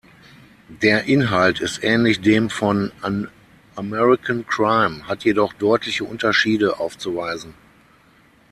Der Inhalt ist ähnlich dem von "An American Crime", hat jedoch deutliche Unterschiede aufzuweisen.